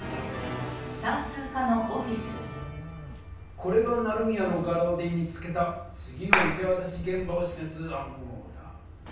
これが成宮の画廊で見つけた次の受けわたしげん場をしめす暗号だ。